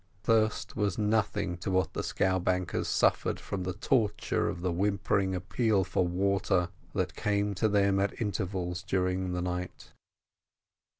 Thirst was nothing to what the scowbankers suffered from the torture of the whimpering appeal for water that came to them at intervals during the night.